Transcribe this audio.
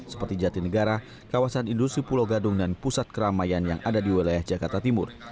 seperti jatinegara kawasan industri pulau gadung dan pusat keramaian yang ada di wilayah jakarta timur